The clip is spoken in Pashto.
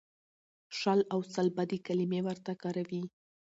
شل او سل بدې کلمې ورته کاروي.